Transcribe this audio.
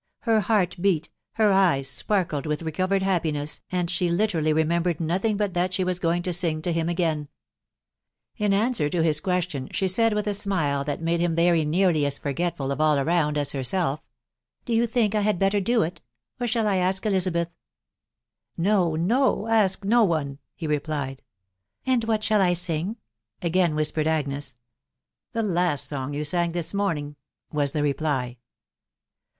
Her heart beat, her eyes sparkled with reco vered happiness, and she literally remembered nothing bat that she was going to sing to him again. In answer to his Question, she said with a smile that made him very nearly as forgetful of all around as herself, " Do ^ou tim&\\»&\M!k»e* dojt? ....Or shall 1 ask Elizabethr" TUB WIDOW BARNABY, 247 No, no ; ask no one/' he replied. cc And what shall I sing?" again whispered Agnes. " The last song you sang this morning/' was the reply.